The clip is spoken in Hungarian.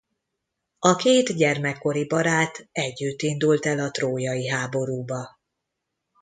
A két gyermekkori barát együtt indult el a trójai háborúba.